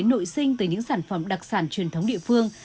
nội sinh từ những sản phẩm đặc sản truyền thống địa phương